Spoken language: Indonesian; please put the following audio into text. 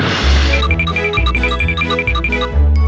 berada diawa ibu